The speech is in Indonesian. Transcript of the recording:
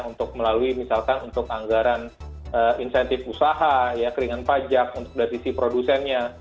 untuk melalui misalkan untuk anggaran insentif usaha ya keringan pajak untuk dari sisi produsennya